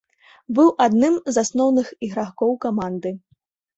Быў адным з асноўны ігракоў каманды.